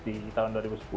di tahun dua ribu sepuluh